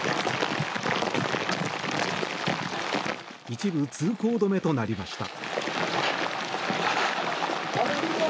一部通行止めとなりました。